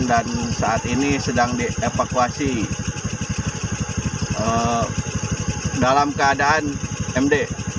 saat ini sedang dievakuasi dalam keadaan md